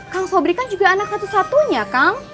kang sobri kan juga anak satu satunya kang